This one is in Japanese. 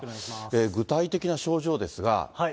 具体的な症状ですが。